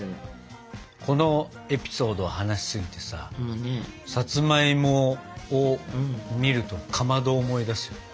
このエピソードを話しすぎてささつまいもを見るとかまどを思い出すよね。